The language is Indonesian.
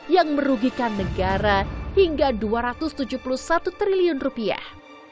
yang merugikan negara hingga dua ratus tujuh puluh satu triliun rupiah